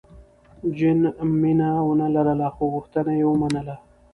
جین مینه ونه لرله، خو غوښتنه یې ومنله.